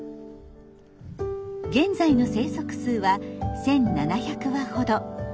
現在の生息数は１，７００羽ほど。